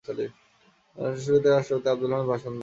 অধিবেশনের শুরুতে রাষ্ট্রপতি আব্দুল হামিদ ভাষণ দেন।